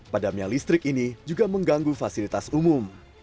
padamnya listrik ini juga mengganggu fasilitas umum